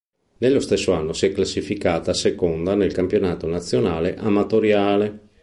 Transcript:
Nello stesso anno si è classificata seconda nel campionato nazionale amatoriale.